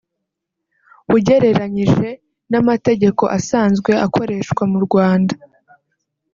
ugereranyije n’amategeko asanzwe akoreshwa mu Rwanda